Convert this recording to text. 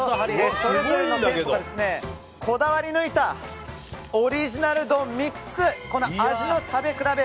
それぞれの店舗がこだわりぬいたオリジナル丼３つ味の食べ比べ